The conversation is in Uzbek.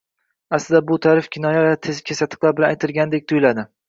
Aslida bu ta`rif kinoya va kesatiqlar bilan aytilgandek tuyuladi